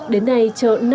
đến nay chợ